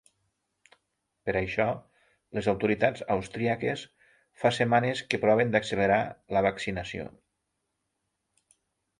Per això, les autoritats austríaques fa setmanes que proven d’accelerar la vaccinació.